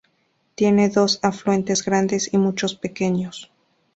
Tiene dos afluentes grandes y muchos pequeños.